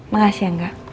makasih ya gak